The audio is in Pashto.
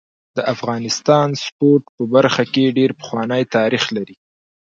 د افغانستان د سپورټ په برخه کي ډير پخوانی تاریخ لري.